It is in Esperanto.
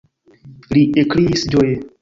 li ekkriis ĝoje.